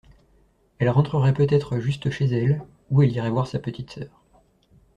Elle rentrerait peut-être juste chez elle, ou elle irait voir sa petite sœur.